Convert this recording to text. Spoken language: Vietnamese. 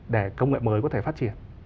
để công nghệ mới có thể phát triển